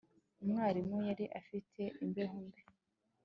Umwarimu yari afite imbeho mbi